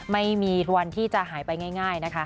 ไม่มีวันที่จะหายไปง่ายนะคะ